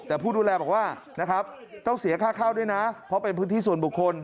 แต่ผู้ดูแลบอกว่านะครับต้องเสียค่าข้าวด้วยนะเพราะเป็นพื้นที่ส่วนบุคคล